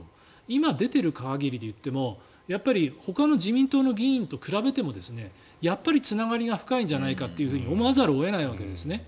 今、出ている限りで言ってもほかの自民党の議員と比べてもやっぱりつながりが深いんじゃないかと思わざるを得ないんですね。